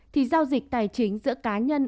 thì giao dịch tài chính giữa cá nhân